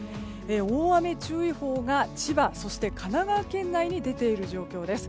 大雨注意報が千葉、そして神奈川県内に出ている状況です。